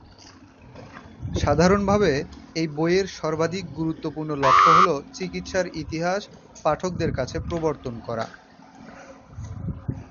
সাধারণভাবে, এই বইয়ের সর্বাধিক গুরুত্বপূর্ণ লক্ষ্য হ'ল চিকিৎসার ইতিহাস পাঠকদের কাছে প্রবর্তন করা।